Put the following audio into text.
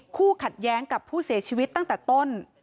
คู่ขัดแย้งกับผู้เสียชีวิตตั้งแต่ต้น